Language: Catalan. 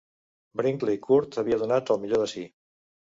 Brinkley Court havia donat el millor de si.